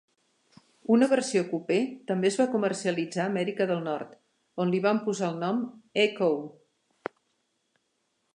Una versió cupè també es va comercialitzar a Amèrica de Nord, on li van posar el nom "Echo".